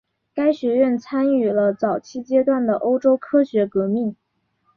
该学院参与了早期阶段的欧洲科学革命。